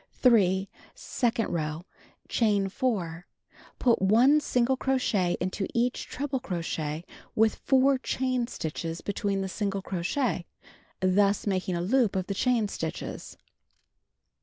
3. Second row: Chain 4. Put 1 single crochet into each treble crochet with 4 chain stitches between the single crochet, thus making a loop of the chain stitches.